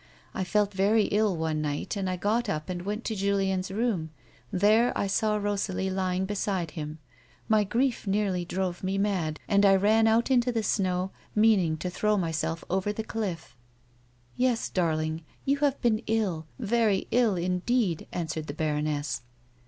" I felt very ill one night, and I got up and went to Julien's room ; there I saw Rosalie lying beside him. My grief nearly drove me mad, and I ran out into the snow, riieaning to throw myself over the cliff." "Yes, darling, you have been ill, very ill indeed," answered the baroness.